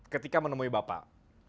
ketika menemui bapak